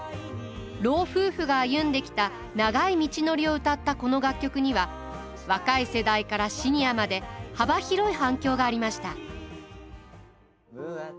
老夫婦が歩んできた長い道のりを歌ったこの楽曲には若い世代からシニアまで幅広い反響がありました。